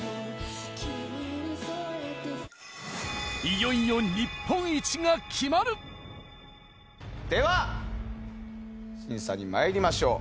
いよいよ日本一が決まる！では審査にまいりましょう。